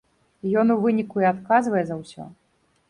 Ён у выніку і адказвае за ўсё.